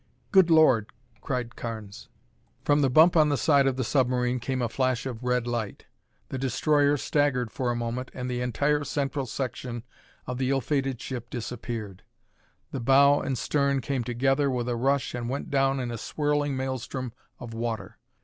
"Good Lord!" cried Carnes. From the bump on the side of the submarine came a flash of red light. The destroyer staggered for a moment, and the entire central section of the ill fated ship disappeared. The bow and stern came together with a rush and went down in a swirling maelstrom of water.